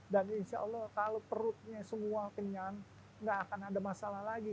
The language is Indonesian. dan insya allah kalau perutnya semua kenyang nggak akan ada masalah lagi